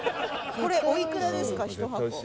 これおいくらですか１箱。